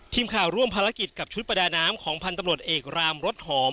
ทีมข่าวร่วมภารกิจกับชุดประดาน้ำของพันธุ์ตำรวจเอกรามรถหอม